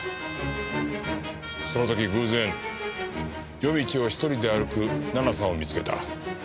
その時偶然夜道を１人で歩く奈々さんを見つけた。